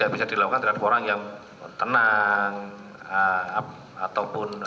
bisa dilakukan terhadap orang yang tenang ataupun